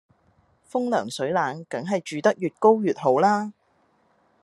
風涼水冷梗係住得越高越好啦